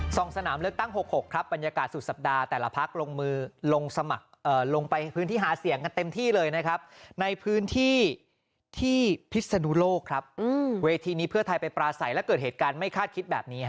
สนามเลือกตั้งหกหกครับบรรยากาศสุดสัปดาห์แต่ละพักลงมือลงสมัครลงไปพื้นที่หาเสียงกันเต็มที่เลยนะครับในพื้นที่ที่พิศนุโลกครับเวทีนี้เพื่อไทยไปปราศัยและเกิดเหตุการณ์ไม่คาดคิดแบบนี้ฮะ